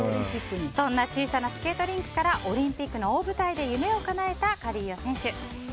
そんな小さなスケートリンクからオリンピックの大舞台で夢をかなえたカリーヨ選手。